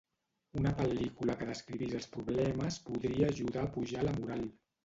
Una pel·lícula que descrivís els problemes podria ajudar a pujar la moral.